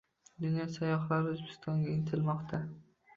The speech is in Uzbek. Dunyo sayyohlari O‘zbekistonga intilmoqda